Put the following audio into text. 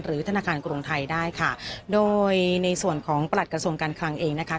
หรือธนาคารกรงไทยได้ค่ะโดยในส่วนของปรัชกระทรกันคลังเองนะคะ